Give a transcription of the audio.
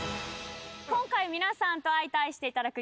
今回皆さんと相対していただく。